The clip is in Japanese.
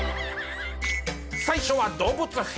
最初は動物編。